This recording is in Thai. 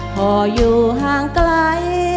พออยู่ห่างไกล